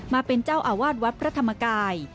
มาเป็นเจ้าอาวาสวัดพระธรรมกาย